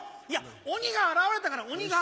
鬼が現れたから鬼が！